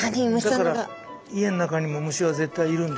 だから家ん中にも虫は絶対いるんです。